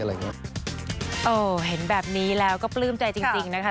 เห็นแบบนี้แล้วก็ปลื้มใจจริงนะคะ